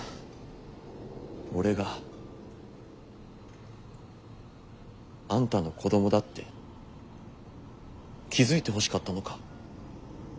俺があんたの子どもだって気付いてほしかったのか。